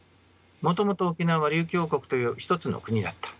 もともと沖縄は琉球王国という一つの国だった。